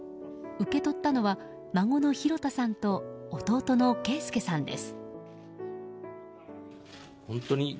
受け取ったのは、孫の寛太さんと弟の啓介さんです。